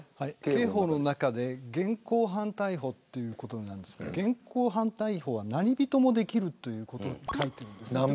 刑法の中で現行犯逮捕ということなんですが現行犯逮捕は何人でもできるということが書いてあります。